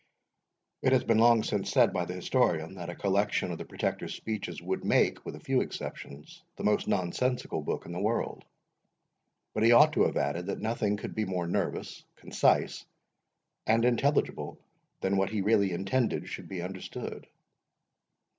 It has been long since said by the historian, that a collection of the Protector's speeches would make, with a few exceptions, the most nonsensical book in the world; but he ought to have added, that nothing could be more nervous, concise, and intelligible, than what he really intended should be understood.